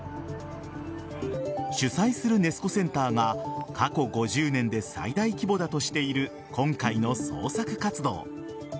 主催するネス湖センターが過去５０年で最大規模だとしている今回の捜索活動。